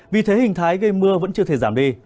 vì thế hình thái gây mưa vẫn chưa thể giảm đi